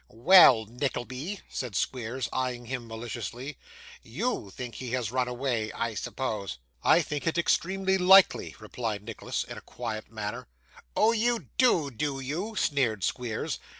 'Well, Nickleby,' said Squeers, eyeing him maliciously. 'YOU think he has run away, I suppose?' 'I think it extremely likely,' replied Nicholas, in a quiet manner. 'Oh, you do, do you?' sneered Squeers.